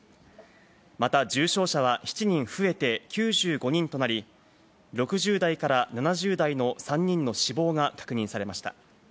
また、重症者は７人増えて９５人となり、６０代から７０代の３人の死亡が確認されました。